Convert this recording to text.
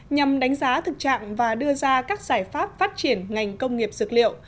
nhằm đánh giá thực trạng và đưa ra các giải pháp phát triển ngành công nghiệp dược liệu